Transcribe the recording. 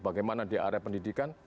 bagaimana di area pendidikan